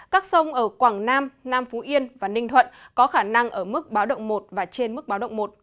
các sông ở quảng nam nam phú yên và ninh thuận có khả năng ở mức báo động một và trên mức báo động một